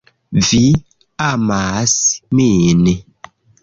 Vi amas min